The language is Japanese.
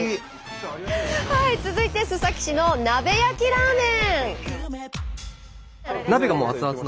続いて須崎市の鍋焼きラーメン。